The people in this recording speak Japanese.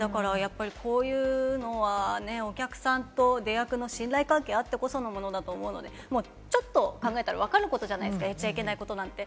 こういうのはお客さんと出役の信頼関係があってこそのものだと思うので、ちょっと考えたら分かることじゃないですか、やっちゃいけないことなんて。